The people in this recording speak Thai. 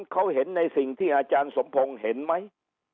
เขาเห็นในสิ่งที่อาจารย์สมพงศ์เห็นไหม